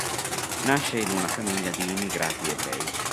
Nasce in una famiglia di immigrati ebrei.